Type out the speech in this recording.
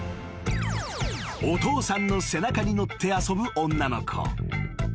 ［お父さんの背中に乗って遊ぶ女の子］